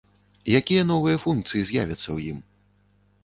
Якія новыя функцыі з'явяцца ў ім?